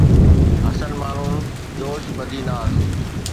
حسن مارون جوش بدي ناز